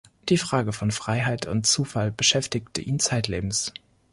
Die Frage von Freiheit und Zufall beschäftigte ihn zeitlebens.